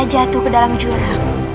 saat ibu jatuh ke dalam jurang